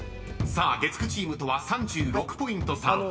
［さあ月９チームとは３６ポイント差］